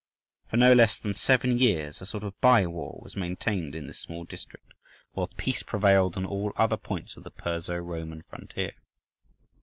For no less than seven years a sort of by war was maintained in this small district, while peace prevailed on all other points of the Perso Roman frontier.